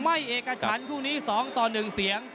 เอกฉันคู่นี้๒ต่อ๑เสียง